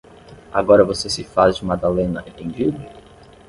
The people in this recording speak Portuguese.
Agora você se faz de Madalena arrependida?